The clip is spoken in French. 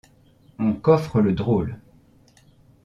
On coffre le drôle.